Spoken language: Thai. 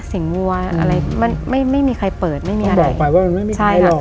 สิ่งวัวอะไรมันไม่มีใครเปิดไม่มีอะไรบอกไปว่ามันไม่มีใครหรอก